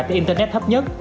tại internet thấp nhất